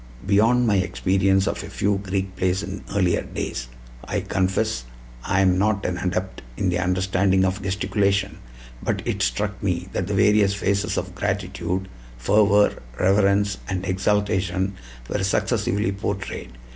Beyond my experience of a few Greek plays in earlier days, I confess I am not an adept in the understanding of gesticulation; but it struck me that the various phases of gratitude, fervor, reverence, and exaltation were successively portrayed.